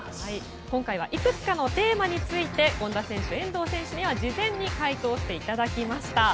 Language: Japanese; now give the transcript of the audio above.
今回はいくつかのテーマについて権田選手、遠藤選手には事前に回答していただきました。